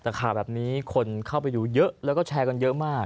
แต่ข่าวแบบนี้คนเข้าไปดูเยอะแล้วก็แชร์กันเยอะมาก